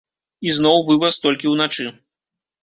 Ізноў, вываз толькі ўначы.